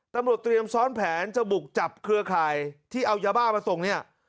ตำรวจเตรียมซ้อนแผนจะบุกจับเครือข่ายที่เอายาบ้ามาส่งเนี่ย